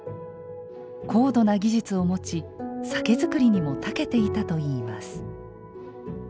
高度な技術を持ち酒造りにもたけていたといいます。